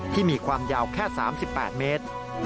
มีความยาวแค่๓๘เมตร